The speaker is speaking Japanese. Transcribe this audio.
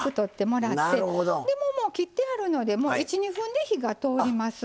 でもう切ってあるので１２分で火が通ります。